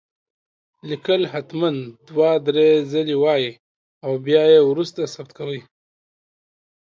ليکل هتمن دوه دري ځلي وايي او بيا يي وروسته ثبت کوئ